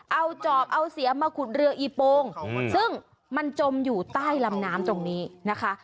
เอาจอบเอาเสียมาขุดเรืออีโปงซึ่งมันจมอยู่ใต้ลำน้ำตรงนี้นะคะ